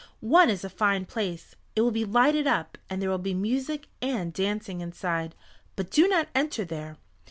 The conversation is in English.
One is a fine place. It will be lighted up, and there will be music and dancing inside. But do not enter there.